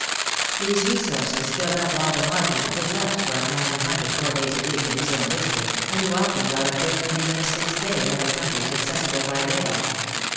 These resources filled up all the margin that was left for a man who hunted four days a week in his own district, and who often got a fifth and even a sixth day in other countries accessible by rail.